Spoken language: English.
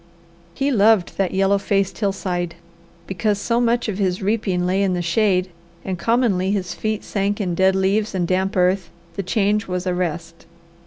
He loved that yellow faced hillside. Because so much of his reaping lay in the shade and commonly his feet sank in dead leaves and damp earth, the change was a rest.